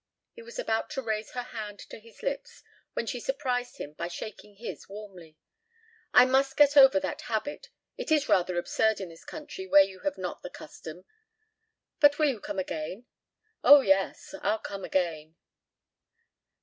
He was about to raise her hand to his lips when she surprised him by shaking his warmly. "I must get over that habit. It is rather absurd in this country where you have not the custom. But you will come again?" "Oh, yes, I'll come again."